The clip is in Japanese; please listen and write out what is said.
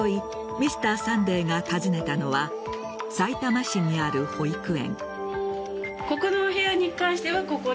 「Ｍｒ．サンデー」が訪ねたのはさいたま市にある保育園。